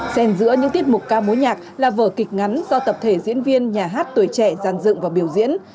xen giữa những tiết mục ca mối nhạc là vở kịch ngắn do tập thể diễn viên nhà hát tuổi trẻ giàn dựng và biểu diễn